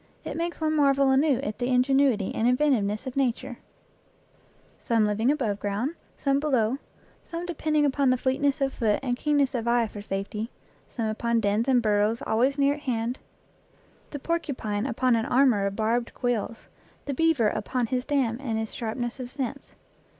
It makes one marvel anew at the ingenuity and inventive ness of Nature some living above ground, some below, some depending upon fleetness of foot and keenness of eye for safety, some upon dens and burrows always near at hand; the porcupine upon an armor of barbed quills, the beaver upon his dam and his sharpness of sense.